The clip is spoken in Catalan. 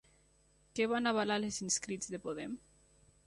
Què van avalar els inscrits de Podem?